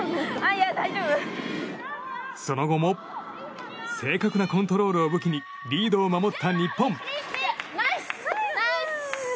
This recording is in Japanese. その後も正確なコントロールを武器にリードを守った日本。